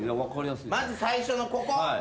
まず最初のここ。